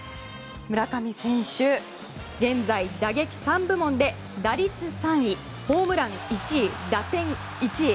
村上選手、現在打撃３部門で打率３位、ホームラン１位打点１位。